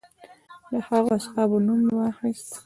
د هغو اصحابو نوم مې واخیست.